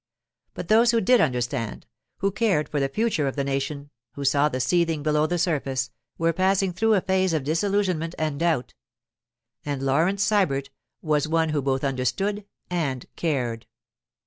But those who did understand, who cared for the future of the nation, who saw the seething below the surface, were passing through a phase of disillusionment and doubt. And Laurence Sybert was one who both understood and cared.